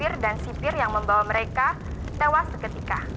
ini akhirnya arrived